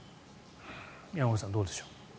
山口さん、どうでしょう。